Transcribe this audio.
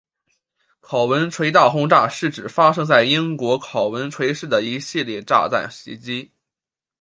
考文垂大轰炸是指发生在英国考文垂市的一系列炸弹袭击。